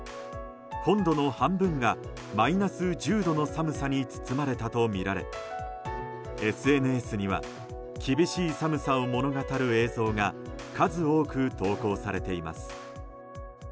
本土の半分がマイナス１０度の寒さに包まれたとみられＳＮＳには厳しい寒さを物語る映像が数多く投稿されています。